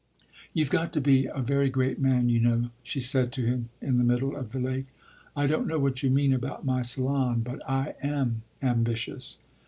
"You've got to be a very great man, you know," she said to him in the middle of the lake. "I don't know what you mean about my salon, but I am ambitious."